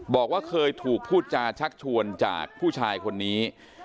บอกว่าเคยถูกพูดจาชักชวนจากผู้ชายคนนี้